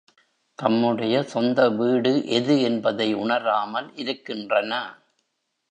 தம்முடைய சொந்த வீடு எது என்பதை உணராமல் இருக்கின்றன.